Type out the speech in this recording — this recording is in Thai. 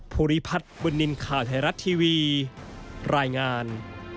ภูริพัฒน์บุญนินทร์ข่าวไทยรัฐทีวีรายงาน